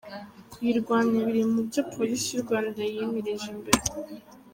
Kuyirwanya biri mu byo Polisi y’u Rwanda yimirije imbere."